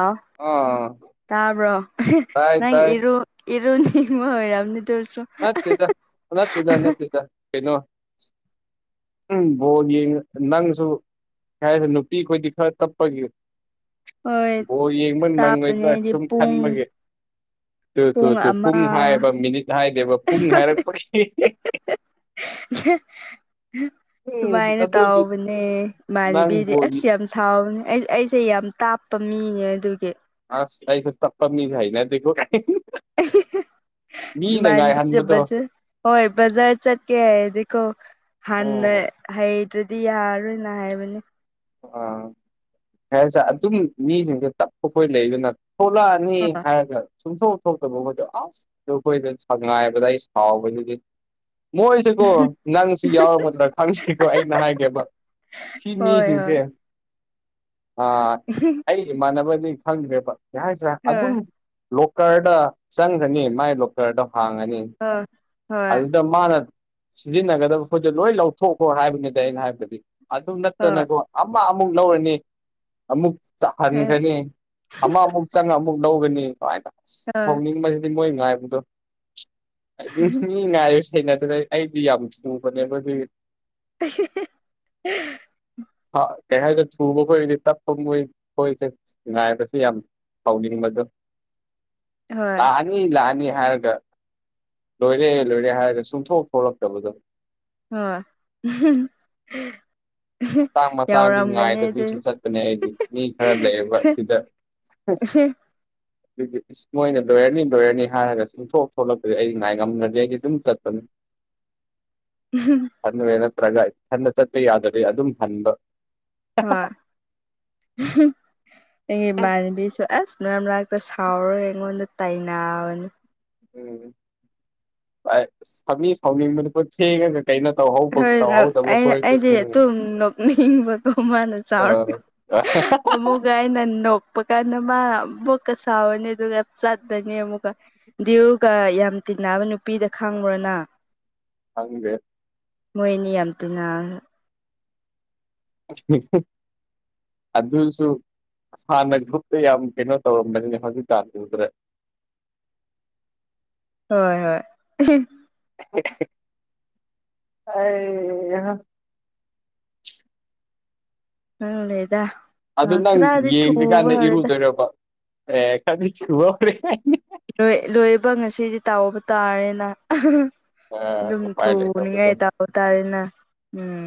ꯥꯎ ꯑꯥ ꯇꯥꯕ꯭ꯔꯣ ꯇꯥꯏ ꯅꯪ ꯇꯥꯏ ꯏꯔꯨ ꯑꯦꯔꯣꯅꯤꯃ ꯑꯣꯏꯔꯝꯅꯤ ꯇꯔꯁꯨꯣ ꯅꯠꯇꯦꯗ ꯅꯠꯇꯗ ꯅꯠꯇꯗ ꯀꯩꯅꯣ ꯎꯝ ꯒꯤ ꯌꯦ ꯅꯪꯁꯨ ꯍꯥꯏꯁꯦ ꯅꯨꯄꯤꯈꯣꯏꯗꯤ ꯈꯔ ꯇꯞꯄꯒꯤ꯫ ꯍꯣꯏ ꯕꯣ ꯌꯦꯡꯕ ꯇꯥꯞꯄꯅꯦ ꯅꯪꯉꯣꯏꯗ꯭ꯔ ꯑꯩꯗꯤ ꯁꯨꯝ ꯄꯨꯡ ꯈꯟꯕꯒꯤ꯫ ꯇꯨ ꯇꯨ ꯇꯨ ꯄꯨꯡ ꯍꯥꯏꯌꯦꯕ ꯃꯤꯅꯤꯠ ꯍꯥꯏꯗꯦꯕ ꯄꯨꯡ ꯍꯥꯏꯔꯛꯄꯒꯤ꯫ ꯎꯝ ꯁꯨꯃꯥꯏꯅ ꯑꯗꯨꯒꯤ ꯇꯥꯎꯕꯅꯦ ꯅꯪ ꯏꯃꯥꯟꯅꯕꯤꯗꯤ ꯕꯣꯜꯒꯤ ꯑꯁ ꯌꯥꯝ ꯌꯥꯝ ꯁꯥꯎꯕꯅꯦ ꯑꯩ ꯑꯩꯁꯦ ꯌꯥꯝ ꯇꯥꯞꯄ ꯃꯤꯅꯦ ꯑꯗꯨꯒꯤ ꯑꯁ ꯀꯥꯏ ꯁ ꯇꯞꯄ ꯃꯤ ꯍꯥꯏꯏꯅꯀꯣ ꯃꯥꯅꯤꯕꯤ ꯆꯖꯕ ꯆ ꯍꯣꯏ ꯖꯔ ꯆꯠꯀꯦ ꯍꯥꯏꯀꯣ ꯍꯥꯟꯅ ꯑꯣ ꯍꯩꯇ꯭ꯔꯗꯤ ꯌꯥꯔꯣꯏꯅ ꯍꯥꯏꯕꯅꯤ꯫ ꯑꯥ ꯍꯥꯏꯁꯦ ꯑꯗꯨꯝ ꯃꯤꯁꯤꯡꯁꯦ ꯇꯞꯄꯈꯣꯏ ꯂꯩꯗꯅ ꯊꯣꯛꯂꯛꯑ ꯍꯥꯏꯔꯒ ꯁꯨꯝꯊꯣꯛ ꯊꯣꯛꯇꯕ ꯃꯣꯏꯗꯣ ꯑꯁ ꯑꯩꯈꯣꯏꯗ ꯁꯉꯥꯏꯕꯗ ꯑꯩ ꯁꯥꯎꯕꯩꯗꯨꯗꯤ ꯃꯣꯏꯁꯤꯦꯀꯣ ꯅꯪꯁꯨ ꯌꯥꯎꯔꯝꯃꯗ꯭ꯔꯥ ꯈꯪꯁꯤꯀꯣ ꯑꯩꯅ ꯍꯥꯏꯒꯦꯕ ꯁꯤ ꯍꯣꯏ ꯃꯤꯁꯤ ꯍꯣꯏ ꯑ ꯑꯩꯒꯤ ꯏꯃꯥꯟꯅꯕꯗꯤ ꯈꯪꯗ꯭ꯔꯦꯕ ꯌꯥꯏꯁ꯭ꯔꯦ ꯑꯗꯨꯝ ꯍꯣꯏ ꯂꯣꯀꯔꯗ ꯆꯪꯈꯅꯤ ꯃꯥꯏ ꯂꯣꯀꯔꯗ ꯍꯥꯡꯉꯅꯤ꯫ ꯑ ꯍꯣꯏ ꯑꯗꯨꯗ ꯃꯥꯅ ꯁꯤꯖꯤꯟꯅꯒꯗꯕ ꯄꯣꯠꯁꯦ ꯂꯣꯏ ꯂꯧꯊꯣꯛꯈꯣ ꯍꯥꯏꯕꯅꯤꯗ ꯑꯩꯅ ꯍꯥꯏꯕꯗꯤ꯫ ꯑꯗꯨ ꯍꯣꯏ ꯅꯠꯇꯅꯀꯣ ꯑꯃ ꯑꯃꯨꯛ ꯂꯧꯔꯅꯤ ꯑꯃꯨꯛ ꯍꯣꯏ ꯆꯥꯍꯟꯒꯅꯤ꯫ ꯑꯃ ꯑꯃꯨꯛ ꯆꯪꯉ ꯑꯃꯨꯛ ꯂꯧꯒꯅꯤ ꯑꯗꯨꯃꯥꯏꯅ ꯑ ꯍꯧꯅꯤꯡꯕ ꯑꯗꯤ ꯃꯣꯏ ꯉꯥꯏꯕꯗꯣ ꯉꯥꯏ ꯁꯦꯡꯩꯅ ꯑꯗꯨꯗ ꯑꯩꯗꯤ ꯌꯥꯝ ꯆꯨꯕꯅꯦꯕ ꯑꯗꯨꯒꯤ ꯑꯦ ꯍꯥ ꯀꯩ ꯍꯥꯏꯗꯣ ꯊꯨꯕ ꯈꯣꯏꯗꯤ ꯇꯞꯄ ꯃꯣꯏ ꯈꯣꯏꯁꯦ ꯉꯥꯏꯕꯁꯦ ꯌꯥꯝ ꯍꯥꯎꯅꯤꯡꯕꯗꯣ [inaudible] [unintelligible] ꯅꯤ ꯂꯥꯛꯑꯅꯤ ꯍꯥꯏꯔꯒ ꯂꯣꯏꯔꯦ ꯂꯣꯏꯔꯦ ꯍꯥꯏꯔꯒ ꯆꯨꯡꯊꯣꯛ ꯊꯣꯛꯂꯛꯇꯕꯗꯣ ꯍꯣꯏ ꯃꯇꯥꯡ ꯃꯇꯥꯡꯗꯤ ꯌꯥꯎꯔꯝꯒꯅꯤ ꯑꯗꯨ ꯉꯥꯏꯗꯕꯤꯁꯨ ꯆꯠꯄꯅꯦ ꯑꯩꯗꯤ ꯃꯤ ꯈꯔ ꯂꯩꯌꯦꯕ ꯁꯤꯗ [unintelligible] [unintelligible] ꯃꯣꯏꯅ ꯂꯣꯏꯔꯅꯤ ꯂꯣꯏꯔꯅꯤ ꯍꯥꯏꯔꯒ ꯆꯤꯡꯊꯣꯛ ꯊꯣꯛꯂꯛꯄꯗꯤ ꯑꯩ ꯉꯥꯏ ꯉꯝꯅ꯭ꯔꯦ ꯑꯩꯗꯤ ꯑꯗꯨꯝ ꯆꯠꯄꯅꯤ꯫ ꯎꯝ ꯈꯟꯦ ꯅꯠꯇ꯭ꯔꯒ ꯏꯊꯟꯗ ꯆꯠꯇ ꯌꯥꯗꯗꯤ ꯑꯗꯨꯝ ꯍꯟꯕ ꯍꯣꯏ ꯃꯥꯅꯕꯤꯁ ꯑꯁ ꯃꯔꯝ ꯃꯔꯥꯛꯄ ꯁꯥꯎꯔꯒ ꯑꯩꯉꯣꯟꯗ ꯇꯥꯏꯕꯅꯤ꯫ ꯎꯝ ꯁꯅꯤ ꯁꯥꯎꯅꯤ ꯃ ꯊꯒ ꯀꯩꯅꯣ ꯇꯧꯍꯧꯕ ꯍꯣꯏ ꯇꯧꯍꯧꯗꯕ ꯑꯩ ꯈꯣꯏꯗꯤ ꯑꯩꯗꯤ ꯎꯝ ꯑꯗꯨꯝ ꯅꯣꯛꯅꯤꯡꯕꯀꯣ ꯑꯝ [unintelligible] ꯑꯗꯨꯒ ꯑꯩꯅ ꯅꯣꯛꯄ ꯀꯥꯟꯗ ꯃꯥ ꯑꯃꯕꯣꯛꯀ ꯁꯥꯎꯔꯅꯤ ꯑꯗꯨꯒ ꯆꯠꯇꯅꯤ ꯑꯃꯨꯛꯀ ꯗꯤꯌꯨꯒ ꯌꯥꯝ ꯇꯤꯟꯅꯕ ꯅꯨꯄꯤꯗ ꯈꯪꯕ꯭ꯔꯣ ꯅꯪ ꯈꯪꯗꯦ꯫ ꯃꯣꯏ ꯑꯅꯤ ꯌꯥꯝ ꯊꯤꯅꯕꯅꯤ꯫ [unintelligible] ꯑꯗꯨꯁꯨ ꯍꯥꯟꯅ ꯒ꯭ꯔꯨꯞꯇ ꯌꯥꯝ ꯀꯩꯅꯣ ꯇꯧꯔꯝꯕꯅꯤ ꯍꯧꯖꯤꯛꯀꯥꯟꯗꯨꯗ ꯍꯣꯏ ꯍꯣꯏ ꯑꯦ ꯍꯩꯍꯥ ꯈꯪꯗꯦꯗꯥ ꯑꯗꯨ ꯅꯪ ꯌꯦꯡꯗ꯭ꯔꯤꯀꯥꯟꯗ ꯏꯔꯨꯗꯣꯏꯔꯕ ꯑꯦ ꯀꯔꯤꯁꯨꯔꯦ꯫ ꯂꯣꯏ ꯂꯣꯏꯕ ꯉꯁꯤꯗꯤ ꯇꯥꯎꯕ ꯇꯥꯔꯦꯅ ꯑꯗꯨꯝ ꯎꯄꯥꯏ ꯂꯩꯇꯕꯗꯣ ꯊꯨꯅꯤꯡꯉꯥꯏ ꯇꯥ ꯇꯥꯔꯦꯅ ꯎꯝ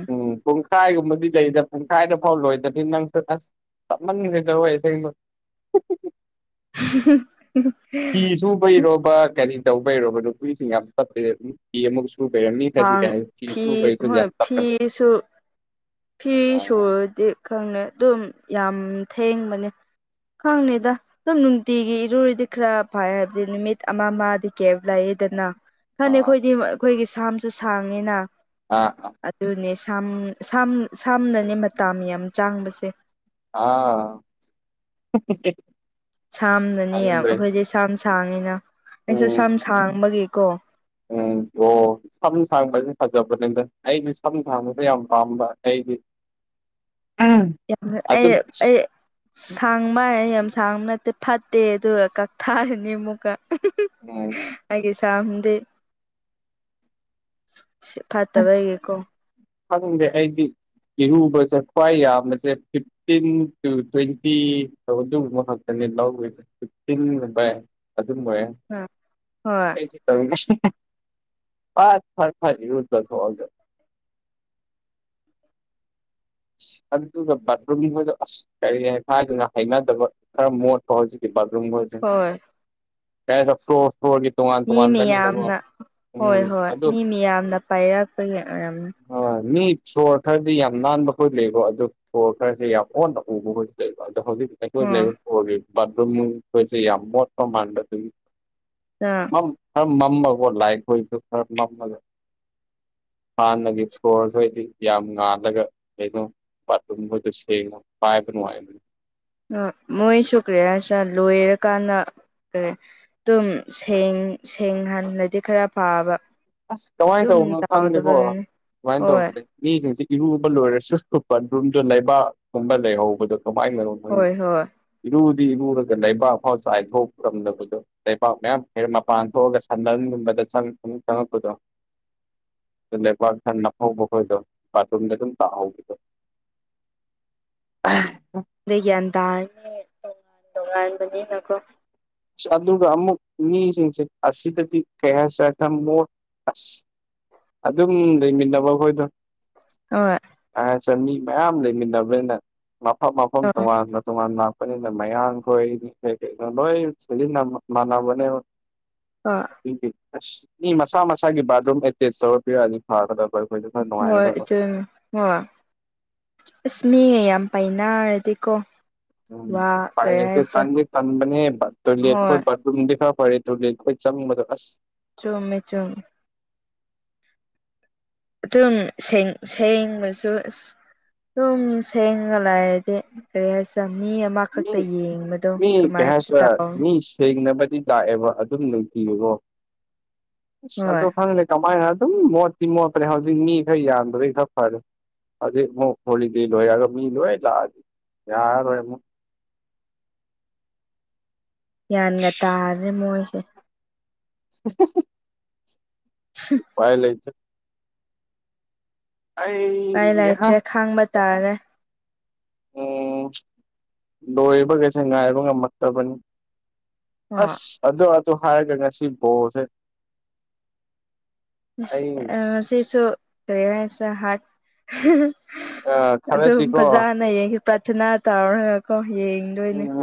ꯄꯨꯡꯈꯥꯏꯒꯨꯝꯕꯗꯤ ꯂꯩꯗ ꯄꯨꯡꯈꯥꯏꯗꯐꯥꯎ ꯂꯣꯏꯗꯕꯅꯤ ꯅꯪꯁꯨ ꯑꯁ ꯆꯞꯃꯟꯈ꯭ꯔꯦꯗꯔꯣꯏꯁꯦꯡꯅ [unintelligible] ꯐꯤ ꯁꯨꯕꯩꯔꯣꯕ ꯀꯔꯤ ꯇꯧꯕꯩꯔꯣꯕ ꯅꯨꯄꯤꯁꯤꯡ ꯌꯥꯝ ꯇꯄꯩ ꯐꯤ ꯑꯃꯨꯛ ꯄꯦꯔꯅꯤ ꯊ ꯍꯥꯡ ꯀꯩ ꯁꯨ ꯐꯤ ꯄꯩ ꯊꯗꯤ ꯍꯣꯏ ꯌꯥꯝ ꯇ ꯐꯤꯁꯨ ꯐꯤ ꯁꯗꯤ ꯈꯪꯅꯤꯦ ꯑꯗꯨꯝ ꯌꯥꯝ ꯊꯦꯡꯕꯅꯦ ꯈꯪꯅꯤꯗ ꯁꯨꯝ ꯅꯨꯡꯇꯤꯒꯤ ꯏꯔꯨꯔꯤꯗꯤ ꯈꯔ ꯐꯥꯏ ꯍꯥꯏꯕꯗꯤ ꯅꯨꯃꯤꯠ ꯑꯃ ꯑꯃꯗꯤ ꯀꯦꯕ ꯂꯩꯌꯦꯦꯗꯅ ꯈꯅꯤ ꯑꯥ ꯑꯩꯈꯣꯏꯗꯤ ꯑꯩꯈꯣꯏꯒꯤ ꯁꯥꯝꯁꯨ ꯁꯥꯡꯉꯤꯅ ꯑꯥ ꯑꯥ ꯑꯗꯨꯅꯦ ꯁꯝꯅꯅꯦ ꯃꯇꯥ ꯌꯥꯝ ꯆꯥꯡꯕꯁꯦ ꯑꯥ ꯁꯥꯝꯅꯅꯦ ꯈꯪꯗ꯭ꯔꯦ ꯑꯩꯈꯣꯏꯗꯤ ꯁꯥꯝ ꯁꯥꯡꯉꯤꯅ ꯑꯩꯁꯨ ꯎꯝ ꯁꯝ ꯁꯥꯡꯕꯒꯤꯀꯣ ꯎꯝ ꯑꯣ ꯁꯝ ꯁꯥꯡꯕꯁꯦ ꯐꯖꯕꯅꯤꯗ ꯑꯩꯗꯤ ꯁꯝ ꯁꯥꯡꯕꯁꯦ ꯌꯥꯝ ꯄꯥꯝꯕ ꯑꯩ ꯑꯩ ꯑꯗꯨꯝ ꯑꯩ ꯊꯥꯡꯕ ꯍꯥꯏꯔꯅꯤ ꯌꯥꯝ ꯁꯥꯡꯕ ꯅꯠꯇꯦ ꯐꯠꯇꯦ ꯑꯗꯨꯒ ꯀꯛꯊꯥꯔꯅꯤ ꯑꯃꯨꯛꯀꯥ ꯎꯝ ꯑꯩꯗꯤ ꯁꯝꯗꯤ ꯐꯠꯇꯥꯕꯒꯤꯀꯣ ꯈꯪꯗꯦ ꯑꯩꯗꯤ ꯏꯔꯨꯕꯁꯦ ꯈ꯭ꯋꯥꯏ ꯌꯥꯝꯕꯥꯁꯦ ꯐꯤꯇꯤꯟ ꯇꯨ ꯇ꯭ꯋꯦꯟꯇꯤ ꯑꯗꯨꯒꯨꯝꯕꯥ ꯈꯛꯇꯥꯅꯦ ꯂꯧꯗꯣꯏꯁꯦ ꯐꯤꯇꯤꯟ ꯚꯥꯏ ꯑꯗꯨꯝꯕꯥ ꯍꯥꯏꯅꯨ ꯍꯣꯏ [unintelligible] ꯑꯗꯨꯒꯥ ꯕꯥꯠꯔꯨꯝꯍꯣꯏꯗꯣ ꯀꯔꯤ ꯍꯥꯏꯗꯨꯅ ꯍꯩꯅꯗꯕ ꯈꯔ ꯃꯣꯠꯄ ꯍꯧꯖꯤꯛꯀꯤ ꯕꯥꯠꯔꯨꯝ ꯍꯣꯏ [unintelligible] [unintelligible] ꯃꯤ ꯃꯤꯌꯥꯝꯅ ꯎꯝ ꯍꯣꯏ ꯍꯣꯏ ꯑꯗꯨ ꯃꯤ ꯃꯤꯌꯥꯝꯅ ꯄꯥꯏꯔꯛꯄꯒꯤ ꯑꯣꯏꯔꯝꯅꯤ ꯃꯤ ꯁꯣꯔ ꯈꯔꯗꯤ ꯌꯥꯝ ꯅꯥꯟꯕ ꯑꯩꯈꯣꯏ ꯂꯩꯕ ꯑꯗꯨ ꯈꯔꯁꯦ ꯌꯥꯝ ꯑꯣꯟꯅ ꯎꯕꯥ ꯂꯩꯕ ꯑꯗꯣ ꯍꯧꯖꯤꯛꯤ ꯑꯩꯈꯣꯏ ꯎꯝ ꯂꯩ [unintelligible] [unintelligible] ꯃꯝ ꯈꯔꯥ ꯃꯝꯃꯕꯥꯀꯣ ꯂꯥꯏꯛ ꯑꯣꯏꯁꯨ ꯈꯔ ꯃꯝꯃꯥ ꯍꯥꯟꯅꯒꯤ ꯐꯣꯂꯣꯔ ꯍꯣꯏꯗꯤ ꯌꯥꯝ ꯉꯥꯜꯂꯒ ꯀꯩꯅꯣ ꯕꯥꯠꯔꯨꯝ ꯈꯣꯏꯗꯣ ꯁꯦꯡꯅ ꯄꯥꯏꯕ ꯅꯨꯡꯉꯥꯏꯕꯅꯤ ꯃꯣꯏꯁꯨꯨ ꯀꯔꯤ ꯍꯥꯏꯁꯤꯔꯥ ꯂꯣꯏꯔꯀꯥꯟꯗ ꯀꯩ ꯑꯗꯨꯨꯝ ꯁꯦꯡ ꯍꯟꯂꯗꯤ ꯈꯔ ꯐꯥꯕ ꯑꯁ ꯀꯃꯥꯏꯅ ꯇꯧꯕꯅꯣ ꯈꯪꯗꯦꯀꯣ ꯀꯃꯥꯏꯅ ꯍꯣꯏ ꯇꯧꯕꯅꯦ ꯃꯤꯁꯤꯡꯁꯤ ꯏꯔꯨꯕ ꯂꯣꯏꯔꯁꯨ ꯕꯥꯠꯔꯨꯝ ꯂꯩꯕꯥꯛꯒꯨꯝꯕ ꯂꯩꯍꯧꯕꯗꯣ ꯀꯃꯥꯏꯅꯅꯣ ꯍꯣꯏ ꯍꯣꯏ ꯏꯔꯨꯗꯤ ꯏꯔꯨꯔꯒ ꯂꯩꯕꯥꯛꯐꯥꯎ ꯆꯥꯏꯊꯣꯛꯔꯝꯗꯕꯗꯣ ꯂꯩꯄꯥꯛ ꯃꯌꯥꯝ ꯍꯦꯛ ꯃꯄꯥꯟ ꯊꯣꯛꯑꯒ ꯁꯟꯝꯗꯟꯒꯨꯝꯕꯗ ꯆꯪꯉꯛꯄꯗꯣ ꯂꯩꯕꯥꯛ ꯈꯔꯥ ꯅꯞꯍꯧꯕꯥ ꯈꯣꯏꯗꯣ ꯕꯥꯠꯔꯨꯝꯗ ꯑꯗꯨꯝ ꯇꯥꯛꯍꯧꯕ [unintelligible] ꯑꯩ ꯒ꯭ꯌꯥꯟ ꯇꯥꯏꯅꯦ ꯇꯣꯉꯥꯟ ꯇꯉꯥꯟꯕꯅꯤꯅꯀꯣ ꯑꯗꯨꯒ ꯑꯃꯨꯛ ꯃꯤꯁꯤꯡꯁꯦ ꯑꯁꯤꯗꯗꯤ ꯀꯩꯍꯥꯏꯁꯤꯔꯥ ꯈꯔꯥ ꯃꯣꯠ ꯑꯁ ꯑꯗꯨꯝ ꯂꯩꯃꯤꯟꯅꯕ ꯑꯈꯣꯏꯗꯣ ꯍꯣꯏ ꯃꯤ ꯃꯌꯥꯝ ꯂꯩꯃꯤꯟꯅꯕꯅꯤꯅ ꯃꯐꯝ ꯃꯐꯝ ꯍꯣꯏ ꯇꯣꯉꯥꯟꯅ ꯇꯣꯉꯥꯟ ꯃꯌꯥꯡ ꯍꯣꯏ ꯀꯩꯀꯩ ꯂꯣꯏ ꯃꯥꯅꯕꯅꯦꯕꯥ ꯑꯥ ꯑꯁ ꯃꯤ ꯃꯁꯥ ꯃꯁꯥꯒꯤ ꯕꯥꯠꯔꯨꯝ ꯑꯦꯇꯦꯆ ꯇꯧꯔ ꯄꯤꯔꯝꯅꯤ ꯐꯥꯒꯥꯗꯕꯥ ꯈꯣꯏꯗꯨ ꯍꯣꯏ ꯑꯁ ꯃꯤ ꯌꯥꯝ ꯄꯥꯏꯅꯔꯗꯤꯀꯣ ꯎꯝ ꯋꯥ ꯄꯥꯏ ꯀꯔꯤ ꯂꯩꯇꯦ ꯍꯥꯏꯁꯤꯔ ꯇꯥꯟꯗꯤ ꯇꯥꯟꯕꯅꯦ ꯇꯣꯏꯂꯦꯠ ꯈꯣꯏ ꯍꯣꯏ ꯔꯨꯝꯗꯤ ꯈꯔꯥ ꯐꯥꯔꯤ ꯇꯣꯏꯂꯦꯠ ꯈꯣꯏ ꯆꯪꯕꯥꯗ ꯑꯁ ꯆꯨꯝꯃꯦ ꯆꯨꯝꯃꯦ ꯑꯗꯨꯝ ꯁꯦꯡꯔꯥꯁꯨ ꯑꯗꯨꯝ ꯁꯦꯡꯉꯥꯒꯥ ꯂꯥꯏꯔꯗꯤ ꯀꯔꯤ ꯍꯥꯏꯁꯤꯔꯥ ꯃꯤ ꯃꯥ ꯃꯤ ꯈꯛꯇꯥ ꯌꯦꯡꯕꯗꯣ ꯁꯨꯃꯥꯏꯅꯁꯨ ꯇꯥꯎꯋꯦ ꯊꯦꯡꯅꯕꯗꯤ ꯂꯥꯛꯑꯦꯕ ꯑꯗꯨꯝ ꯅꯨꯡꯇꯤꯒꯤꯀꯣ ꯑꯁ ꯑꯗꯨ ꯍꯣꯏ ꯈꯪꯦ ꯀꯃꯥꯏꯅ ꯑꯗꯨꯝ ꯃꯣꯠꯇꯤ ꯃꯣꯠꯄ꯭ꯔꯦ ꯍꯧꯖꯤꯛ ꯃꯤ ꯈꯔ ꯌꯥꯟꯕꯩ ꯈꯔ ꯐꯔꯦ ꯑꯗꯨ ꯑꯃꯨꯛ ꯍꯣꯂꯤꯗꯤ ꯂꯣꯏꯔꯒ ꯃꯤ ꯂꯣꯏ ꯂꯥꯛꯑꯗꯤ ꯌꯥꯔꯔꯣꯏ ꯑꯃꯨꯛ ꯌꯥꯌꯥꯟꯒ ꯇꯥꯔꯦ ꯃꯣꯏꯁꯦ ꯎ ꯄꯥꯏ ꯂꯩꯆꯦ ꯑꯩ ꯏꯥꯏ ꯂꯩꯇ꯭ꯔꯦ ꯈꯥꯡꯕ ꯇꯥꯔꯦ ꯎꯝ ꯂꯣꯏꯔꯤꯕꯈꯩꯁꯦ ꯉꯥꯏꯕ ꯉꯝꯃꯛꯇꯕꯅꯤ ꯍꯣꯏ ꯑꯁ ꯑꯗꯣ ꯑ ꯑꯗꯨ ꯍꯥꯏꯔ ꯀ ꯉꯁꯤ ꯣꯁꯦ ꯃꯁꯤꯁꯨꯦꯁ ꯍꯥꯔꯠ ꯑ ꯑꯗꯨꯝ ꯈꯔꯗꯤꯀꯣ ꯐꯖꯥ ꯅ ꯌꯦꯡꯁꯤ ꯄ꯭ꯔꯊꯅꯥ ꯇꯧꯔꯒꯀꯣ ꯌꯦꯡꯗꯣꯏꯅꯦ ꯎꯝ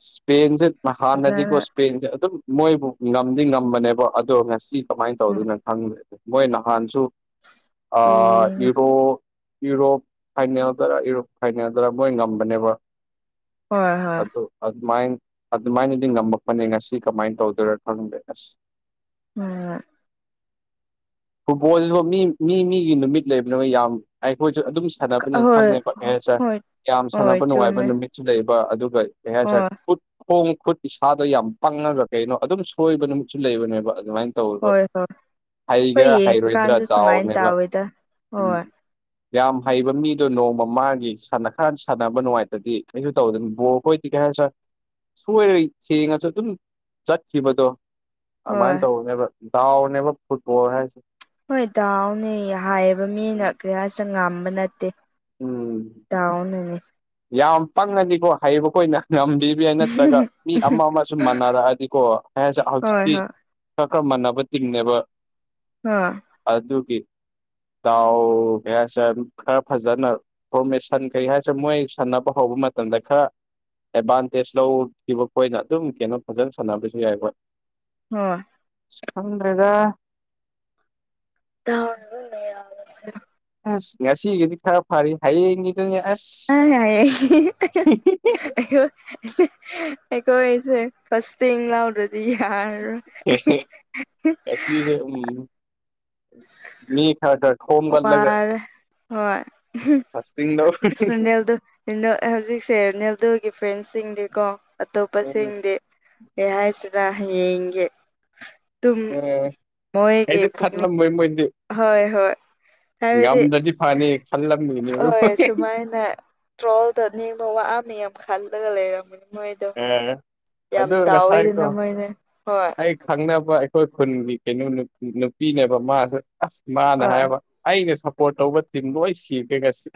ꯏꯁꯄꯦꯟꯁꯦ ꯃꯍꯥꯟꯅꯗꯤꯀꯣ ꯐꯖꯅ ꯏꯁꯄꯦꯟꯁꯦ ꯑꯗꯨꯝ ꯃꯣꯏꯕꯨ ꯉꯝꯗꯤ ꯉꯝꯕꯅꯦꯕ ꯑꯗꯣ ꯉꯁꯤ ꯀꯃꯥꯏꯅ ꯇꯧꯗꯣꯏꯅꯣ ꯈꯪꯗ ꯃꯣꯏ ꯅꯍꯥꯟꯁꯨ ꯑ ꯏꯅ ꯏꯔꯣ ꯌꯨꯔꯣꯞ ꯐꯥꯏꯅꯦꯜꯗꯔ ꯌꯨꯔꯣꯞ ꯐꯥꯏꯅꯦꯜꯗꯔ ꯃꯣꯏ ꯉꯝꯕꯅꯦꯕ ꯍꯣꯏ ꯍꯣꯏ ꯑꯗꯨ ꯑꯗꯨꯃꯥꯏ ꯑꯗꯨꯃꯥꯏꯅꯗꯤ ꯉꯝꯃꯛꯄꯅꯦ ꯉꯁꯤ ꯀꯃꯥꯏꯅ ꯇꯧꯗꯣꯏꯔꯥ ꯈꯪꯒꯦ ꯑꯁ ꯎꯝ ꯐꯨꯠꯕꯣꯜꯁꯤꯁꯨ ꯃꯤ ꯃꯤ ꯃꯤꯒꯤ ꯅꯨꯃꯤꯠ ꯂꯩꯕꯅꯤꯅ ꯌꯥꯝ ꯑꯩꯈꯣꯏꯁꯨ ꯑꯗꯨꯝ ꯁꯥꯟꯅꯕꯅꯤ ꯐꯪꯅꯤ ꯍꯣꯏ ꯁꯥꯔ ꯍꯣꯏ ꯌꯥꯝ ꯍꯣꯏ ꯁꯥꯟꯅꯕ ꯅꯨꯡꯉꯥꯏꯕ ꯆꯨꯝꯃꯦ ꯃꯤꯠꯁꯨ ꯂꯩꯕ ꯑꯗꯨꯒ ꯑꯩꯍꯥꯛꯠ ꯍꯣꯏ ꯈꯣꯡ ꯈꯨꯠꯀꯤ ꯏꯁꯥꯗꯣ ꯌꯥꯝ ꯄꯪꯉꯒ ꯀꯩꯅꯣ ꯑꯗꯨꯝ ꯁꯣꯏꯕ ꯅꯨꯃꯤꯠꯁꯨ ꯂꯩꯕꯅꯦꯕ ꯑꯗꯨꯃꯥꯏꯅ ꯇ ꯍꯣꯏ ꯍꯣꯏ ꯍꯣꯏ ꯍꯩꯒꯦꯔꯥ ꯍꯩꯔꯣꯏꯗ꯭ꯔꯥ ꯌꯦꯡꯉꯀꯥꯟꯁꯨ ꯁꯨꯃꯥꯏꯅ ꯗꯥꯎꯅꯦꯕ ꯇꯧꯋꯦꯗ ꯎꯝ ꯍꯣꯏ ꯌꯥꯝ ꯍꯩꯕ ꯃꯤꯗꯣ ꯅꯣꯡꯃ ꯃꯥꯒꯤ ꯁꯥꯟꯅ ꯈꯥꯟ ꯁꯥꯟꯅꯕ ꯅꯨꯡꯉꯥꯏ ꯍꯗꯤ ꯀꯩꯁꯨ ꯇꯧꯗꯅꯕꯣ ꯑꯩꯈꯣꯏꯗꯤ ꯀꯩ ꯍꯥꯏ ꯁꯥ ꯁꯣꯏꯔꯣꯏ ꯁꯦꯡꯉꯁꯨ ꯑꯗꯨꯝ ꯆꯠꯈꯤꯕꯗꯣ ꯍꯣꯏ ꯑꯗꯨꯃꯥꯏꯅ ꯇꯧꯕꯅꯦꯕ ꯗꯥꯎꯅꯦꯕ ꯐꯨꯠꯕꯣꯜ ꯍꯥꯏꯁꯦ ꯍꯣꯏ ꯇꯍꯥꯎꯅꯦ ꯍꯥꯏꯌꯦꯕ ꯎꯝ ꯃꯤꯅ ꯀꯔꯤꯌꯥ ꯆ ꯉꯝꯕ ꯅꯠꯇꯦ ꯎꯝ ꯌꯥꯗꯥꯎꯟꯅꯤ ꯌꯥꯝ ꯄꯪꯉꯅꯤꯀꯣ ꯍꯩꯕꯈꯣꯏꯅ ꯉꯝꯕꯤ ꯅꯠꯇ꯭ꯔꯒ ꯃꯤ ꯑꯃ ꯑꯃ ꯁꯨꯝ ꯃꯥꯟꯅꯔꯛꯑꯗꯤꯀꯣ ꯍꯣꯏ ꯍꯧꯖꯤꯛꯇꯤ ꯍꯣꯏ ꯈꯔ ꯈꯔ ꯃꯥꯟꯅꯕ ꯇꯤꯡꯅꯦꯕ ꯎꯝ ꯑꯗꯨ ꯑꯗꯨꯒꯤ ꯗꯥꯎ ꯀꯩ ꯍꯥꯏꯁꯤꯔꯦ ꯈꯔ ꯐꯖꯅ ꯐꯣꯔꯃꯦꯁꯟ ꯀꯩ ꯍꯥꯏꯁꯤꯔꯦ ꯃꯣꯏ ꯁꯟꯅꯅꯕ ꯍꯧꯕ ꯃꯇꯝꯗ ꯈꯔ ꯑꯦꯗꯚꯥꯟꯇꯦꯖ ꯂꯧꯈꯤꯕꯈꯣꯏꯅ ꯑꯗꯨꯝ ꯀꯩꯅꯣ ꯐꯖꯅ ꯁꯥꯟꯅꯕꯁꯨ ꯌꯥꯏ ꯍꯈꯣꯏ ꯍ ꯈꯟ꯭ꯔꯦꯗ ꯠꯇꯒ ꯃꯁ ꯑꯁ ꯉꯁꯤꯒꯤꯗꯤ ꯈꯔ ꯐꯔꯤ ꯍꯥꯏꯩꯌꯦꯗ ꯑꯁ ꯑ ꯌꯥꯏ ꯑꯣ ꯀꯣꯁꯦ ꯐꯁ ꯊ ꯕꯤꯍꯥ ꯎ ꯎꯝ ꯃꯤ ꯈꯔꯗꯔ ꯋꯥꯔ ꯍꯣꯏ ꯐꯥꯁꯇꯤꯡ ꯂꯧ ꯁꯗꯦꯜꯗ ꯍꯧꯖꯤꯛꯁꯦ ꯅꯜꯗꯨꯒꯤ ꯐ꯭ꯔꯦꯟꯁꯤꯡꯗꯤꯀꯣ ꯎꯝ ꯑꯇꯣꯞꯄꯁꯤꯡꯗꯤ ꯀꯩ ꯍꯥꯏꯁꯤꯔ ꯍꯌꯦꯡꯒꯤ ꯇꯨꯝ ꯃꯣꯏꯒꯤ ꯄꯨꯛꯅꯤꯡ ꯃꯣꯏ ꯃꯣꯏꯗꯤ ꯍꯣꯏ ꯍꯣꯏ ꯍꯥꯏꯕꯗꯤ ꯉꯝꯗ꯭ꯔꯗꯤ ꯐꯅꯤ ꯈꯜꯂꯝꯃꯤꯅꯦꯕ ꯍꯣꯏ ꯁꯨꯝ ꯃꯥꯏꯅ ꯇ꯭ꯔꯣꯜ ꯇꯅꯤꯡꯕ ꯋꯥ ꯃꯌꯥꯝ ꯈꯜꯂꯒ ꯂꯩꯔꯝꯒꯅꯤ ꯃꯣꯏꯗꯣ ꯌꯥꯝ ꯑꯗꯨ ꯉꯁꯥꯏꯀꯣ ꯇꯥꯎꯋꯤꯗꯅ ꯃꯣꯏꯅ ꯍꯣꯏ ꯑꯩ ꯈꯪꯅꯕ ꯑꯩꯈꯣꯏ ꯈꯨꯟꯒꯤ ꯀꯩꯅꯣ ꯅꯨꯄꯤꯅꯦꯕ ꯃꯥꯁꯨ ꯑꯁ ꯃꯥꯅ ꯍꯣꯏ ꯍꯥꯏꯕ ꯑꯩꯅ ꯁꯞꯄꯣꯔꯠ ꯇꯧꯕ ꯇꯤꯝ ꯂꯣꯏ ꯁꯤꯈꯦꯒꯁ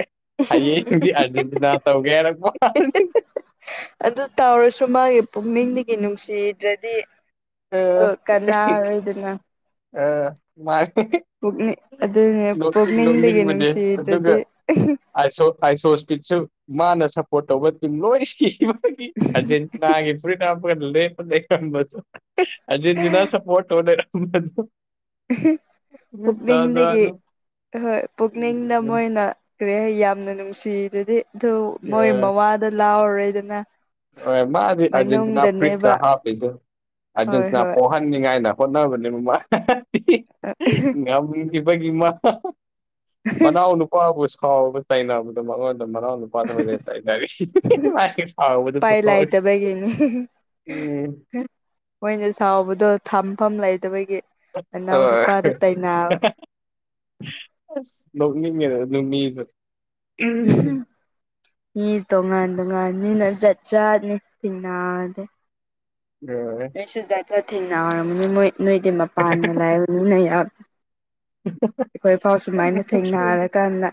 ꯍꯌꯦꯡꯗꯤ ꯑꯥꯔꯖꯦꯟꯇꯤꯅꯥ ꯇꯧꯒꯦ ꯍꯥꯏꯔꯛꯄ [unintelligible] ꯑꯗꯨ ꯇꯧꯔꯁꯨ ꯃꯥꯒꯤ ꯄꯨꯛꯅꯤꯡꯗꯒꯤ ꯅꯨꯡꯁꯤꯗ꯭ꯔꯗꯤ ꯑ ꯑꯗꯨ ꯀꯅꯥꯔꯣꯏꯗꯅ ꯑ ꯃꯥꯅꯦ ꯄꯨꯛꯅꯤꯡ ꯑꯗꯨꯅꯦ ꯅꯣꯛꯇꯤ ꯄꯨꯛꯅꯤꯡꯗꯒꯤ ꯅꯣꯛꯅꯤꯡꯕꯅꯦ ꯑꯗꯨꯒ ꯅꯨꯡꯁꯤꯗ꯭ꯔꯗꯤ ꯑꯥꯏꯁꯣ ꯑꯥꯏꯁꯣ ꯁꯄꯤꯠꯁꯨ ꯃꯥꯅ ꯁꯞꯄꯣꯔꯠ ꯇꯧꯕ ꯇꯤꯝ ꯂꯣꯏ ꯁꯤꯕ ꯑꯥꯔꯖꯦꯟꯇꯤꯅꯥꯒꯤ ꯐꯨꯔꯤꯠ ꯍꯥꯞꯄꯒ ꯂꯦꯞꯄ ꯂꯩꯔꯝꯕꯗꯣ ꯑꯥꯔꯖꯦꯟꯇꯤꯅꯥ ꯁꯄꯣꯠ ꯇꯧ ꯂꯩꯔꯝꯕꯗꯣ ꯖꯥꯠ ꯄꯨꯛꯛꯅꯤꯡꯗꯒꯤ ꯖꯥꯠꯅꯤ ꯍꯣꯏ ꯄꯨꯛꯅꯤꯡꯗ ꯑꯦ ꯃꯣꯏꯅ ꯀ꯭ꯔꯦ ꯌꯥꯝꯅ ꯅꯨꯡꯁꯤꯗꯨꯗꯤ ꯑꯗꯨ ꯃꯣꯏ ꯃꯋꯥꯗ ꯂꯥꯎꯔꯔꯣꯏꯗꯅ ꯃꯥꯗꯤ ꯑꯔꯖꯦꯟꯇꯤꯅꯥ ꯐꯨꯔꯤꯠꯀ ꯃꯅꯨꯡꯗꯅꯦꯕ ꯍꯥꯞꯄꯤꯗꯣ ꯍꯣꯏ ꯑꯔꯖꯦꯟꯇꯤꯅꯥ ꯍꯣꯏ ꯄꯣ ꯍꯟꯅꯤꯡꯉꯥꯏꯅ ꯍꯣꯠꯅꯕꯅꯦꯕ ꯃꯥ ꯉꯝꯈꯤꯕꯒꯤ ꯃꯥ ꯃꯅꯥꯎ ꯅꯨꯄꯥꯕꯨ ꯁꯥꯎꯕ ꯇꯥꯏꯅꯕꯗꯣ ꯃꯉꯣꯟꯗ ꯃꯅꯥꯎ ꯅꯨꯄꯥ ꯁꯀ꯭ꯋꯥꯠ ꯍꯣꯏꯗꯒ ꯇꯥꯏꯅꯔꯤ [unintelligible] ꯃꯥꯒꯤ ꯁꯥꯎꯕꯗꯨ ꯄꯥꯏ ꯄꯨꯊꯣꯛꯑꯒ ꯂꯩꯇꯕꯒꯤꯅꯤ ꯎꯝ [unintelligible] ꯃꯣꯏꯅ ꯁꯥꯎꯕꯗꯣ ꯊꯝꯐꯝ ꯂꯩꯇꯕꯒꯤ ꯃꯅꯥꯎ ꯅꯨꯄꯥꯗ ꯇꯩꯅꯕ [unintelligible] ꯑꯁ ꯅꯣꯛꯅꯤꯡꯉꯦꯗ ꯑꯗꯨ ꯃꯤꯗꯣ ꯎꯝ ꯃꯤ ꯇꯣꯉꯥꯟ ꯇꯣꯉꯥꯟꯅꯤꯅ ꯖꯠ ꯖꯥꯠꯅꯤ ꯇꯤꯅꯥꯗꯦ [unintelligible] ꯑꯩꯁꯨ ꯖꯥꯠ ꯖꯠ ꯊꯦꯡꯅꯔꯕꯅꯤ ꯃꯣꯏ ꯅꯣꯏꯗꯤ ꯃꯄꯥꯟꯒ ꯂꯥꯏꯕꯅꯤꯅ ꯌꯥꯝ ꯑꯩꯈꯣꯏ ꯐꯥꯎ ꯁꯨꯃꯥꯏꯅ ꯊꯦꯡꯅꯔꯀꯥꯟꯗ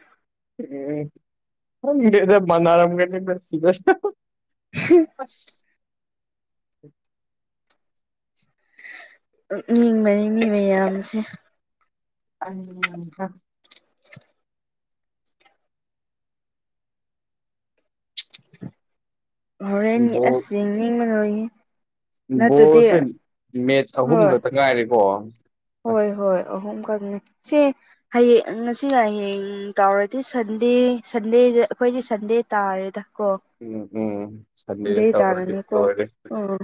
ꯎꯝ ꯈꯪꯗꯦꯗ ꯃꯥꯅꯔꯝꯒꯅꯤꯗ ꯁꯤꯗ [unintelligible] ꯑꯁ [unintelligible] ꯅꯤꯡꯕꯅꯤ ꯃꯤ ꯃꯌꯥꯝꯁꯦ [unintelligible] ꯍꯣꯔꯦꯟꯒꯤ ꯕꯣꯜ ꯑꯁ ꯌꯦꯡꯅꯤꯡꯕ ꯂꯣꯏꯌꯦ ꯕꯣꯜꯁꯦ ꯃꯦꯠꯆ ꯑꯍꯨꯝ ꯍꯣꯏ ꯈꯛꯇ ꯉꯥꯏꯔꯦꯀꯣ ꯑꯁ ꯍꯣꯏ ꯍꯣꯏ ꯑꯍꯨꯝ ꯈꯛꯅꯦ ꯁꯤ ꯍꯌꯦꯡ ꯉꯁꯤꯒ ꯍꯌꯦꯡ ꯇꯧꯔꯗꯤ ꯁꯟꯗꯦ ꯁꯟꯗꯦꯗ ꯑꯩꯈꯣꯏꯗꯤ ꯁꯟꯗꯦ ꯇꯥꯔꯦꯗ ꯀꯣ ꯎꯝ ꯎꯝ ꯁꯟꯗꯦꯗ ꯗꯦ ꯇꯧꯔꯗꯤ ꯇꯥꯒꯅꯤꯀꯣ ꯂꯣꯏꯔꯦ ꯑꯣ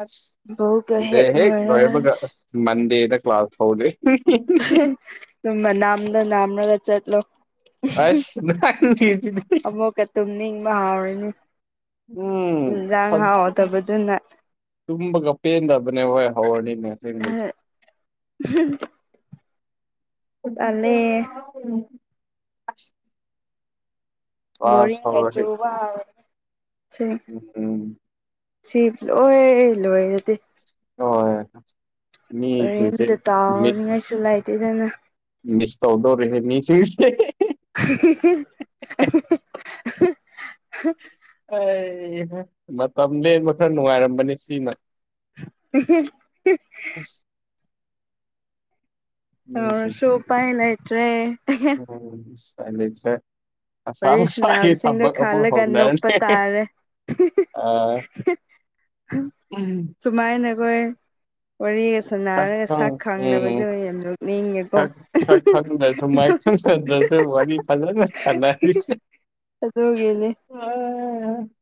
ꯑꯁ ꯕꯣꯜꯒ ꯁꯟꯗꯦ ꯍꯦꯛ ꯂꯣꯏꯔꯒ ꯂꯣꯏꯕꯒ ꯃꯟꯗꯦꯗ ꯀ꯭ꯂꯥꯁ ꯍꯧꯗꯣꯏ [unintelligible] ꯃꯅꯥꯝꯗ ꯅꯥꯝꯔꯒ ꯆꯠꯂꯣ ꯑꯁ ꯅꯪꯒꯤꯁꯤꯗꯤ [unintelligible] ꯑꯃꯨꯛꯀ ꯇꯨꯝꯅꯤꯡꯕ ꯍꯥꯎꯔꯅꯤ ꯎꯝ ꯏꯟꯖꯥꯡ ꯍꯥꯎꯇꯕꯗꯗꯨꯅ ꯇꯨꯝꯕꯒ ꯄꯦꯟꯗꯕꯅꯦ ꯍꯣꯏ ꯍꯧꯔꯅꯤ [unintelligible] ꯇꯜꯂꯦ [unintelligible] ꯀ꯭ꯂꯥꯁ ꯕꯣꯔꯤꯡꯒ ꯍꯧꯔꯗꯤ ꯆꯨꯕ [unintelligible] ꯎꯝ ꯁꯤ ꯂꯣꯏ ꯂꯣꯏꯔꯗꯤ [unintelligible] ꯃꯤꯁꯤꯡꯁꯦ ꯑꯣꯔꯦꯝꯇ ꯃꯤꯁ ꯇꯥꯎꯅꯤꯡꯉꯥꯏꯁꯨ ꯂꯩꯥꯏꯇꯦꯗꯅ ꯃꯤꯁ ꯇꯧꯗꯣꯔꯦꯍꯦ ꯃꯤꯁꯨ ꯏꯁ [unintelligible] [unintelligible] ꯑꯩ ꯃꯇꯝ ꯂꯦꯟꯕ ꯈꯔ ꯅꯨꯡꯉꯥꯏꯔꯝꯕꯅꯤ ꯁꯤꯅ [unintelligible] ꯑꯁ ꯇꯧꯔꯁꯨ ꯃꯤꯁꯤꯡꯁꯦ ꯎꯄꯥꯏ ꯂꯩꯇ꯭ꯔꯦ ꯎꯝ ꯑꯁ ꯎꯄꯥꯏ ꯂꯩꯇ꯭ꯔꯦ ꯋꯥꯔꯤ [unintelligible] ꯁꯥꯟꯅꯕꯁꯤꯡꯗꯣ ꯊꯕꯛ ꯑꯃꯨꯛ ꯈꯜꯂꯒ ꯍꯧꯅꯔꯅꯤ ꯅꯣꯛꯄ ꯇꯥꯔꯦ ꯑꯥ [unintelligible] ꯁꯨꯃꯥꯏ ꯅꯈꯣꯏ ꯋꯥꯔꯤꯒ ꯁꯅꯥꯔꯒ ꯈꯪ ꯁꯛ ꯈꯪꯅꯕꯗ ꯎꯝ ꯑꯣꯏꯅ ꯌꯥꯝ ꯂꯣꯛ ꯅꯤꯡꯉꯦꯀꯣ ꯁꯛ ꯃꯥꯏ ꯁꯛ ꯈꯪꯗ꯭ꯔꯁꯨ ꯋꯥꯔꯤ ꯐꯖꯅ ꯁꯥꯟꯅꯔꯤꯁꯦ ꯑꯗꯨꯒꯤꯅꯤ [unintelligible]